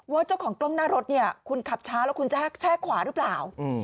เจ้าของกล้องหน้ารถเนี่ยคุณขับช้าแล้วคุณจะแช่ขวาหรือเปล่า